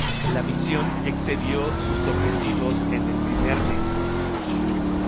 La misión excedió sus objetivos en el primer mes.